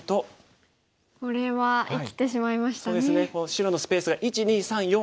白のスペースが１２３４。